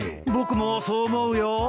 僕もそう思うよ。